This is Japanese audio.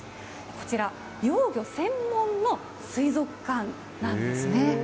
こちら、幼魚専門の水族館なんですね。